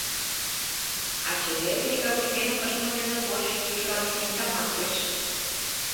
А чевер йошкарушменым пыштыме дене борщ йошкарушмен таман лиеш.